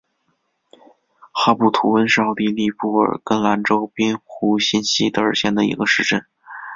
哈布图恩是奥地利布尔根兰州滨湖新锡德尔县的一个市镇。